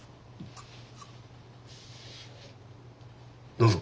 どうぞ。